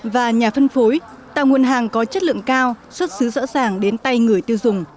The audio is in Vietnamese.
và nhà phân phối tạo nguồn hàng có chất lượng cao xuất xứ rõ ràng đến tay người tiêu dùng